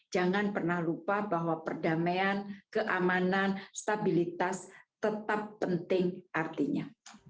jangan pernah lupa bahwa perdamaian keamanan stabilitas tetap penting artinya